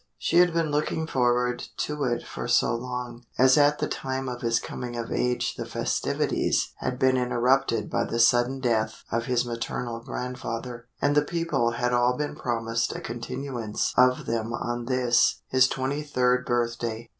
She had been looking forward to it for so long, as at the time of his coming of age the festivities had been interrupted by the sudden death of his maternal grandfather, and the people had all been promised a continuance of them on this, his twenty third birthday.